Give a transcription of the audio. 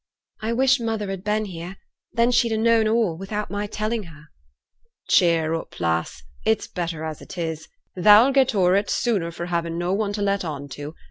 'I wish mother had been here, then she'd ha' known all, without my telling her.' 'Cheer up, lass; it's better as it is. Thou'll get o'er it sooner for havin' no one to let on to.